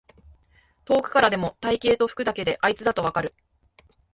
遠くからでも体型と服だけであいつだとわかる